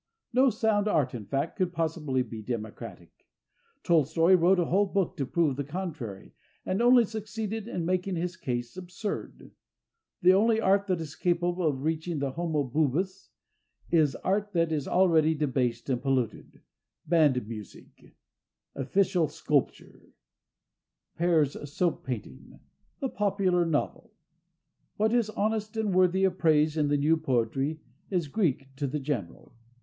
No sound art, in fact, could possibly be democratic. Tolstoi wrote a whole book to prove the contrary, and only succeeded in making his case absurd. The only art that is capable of reaching the Homo Boobus is art that is already debased and polluted—band music, official sculpture, Pears' Soap painting, the popular novel. What is honest and worthy of praise in the new poetry is Greek to the general.